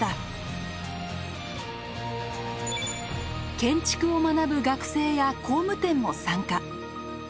建築を学ぶ学生や工務店も参加。